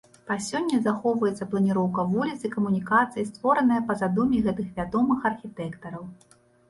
Па сёння захоўваецца планіроўка вуліц і камунікацый, створаная па задуме гэтых вядомых архітэктараў.